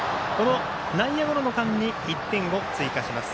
内野ゴロの間に１点を追加します。